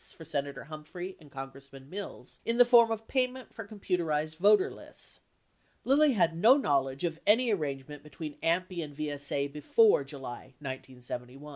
879 Senator Humphrey and Congressman Mills in the form of payment for comnuterized voter lists. Lilly had no knowledge of any arrange ment between AMPI and ASA before J ulv, 1971 .